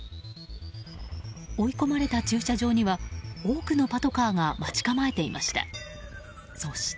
追い込まれた駐車場には多くのパトカーが待ち構えていました。